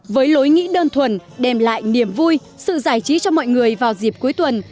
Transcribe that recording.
với lối nghĩ đơn thuần đem lại niềm vui sự giải trí cho mọi người vào dịp cuối tuần